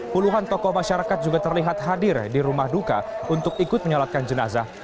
puluhan tokoh masyarakat juga terlihat hadir di rumah duka untuk ikut menyolatkan jenazah